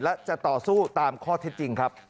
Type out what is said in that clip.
และจะต่อสู้ตามข้อเท็จจริงครับ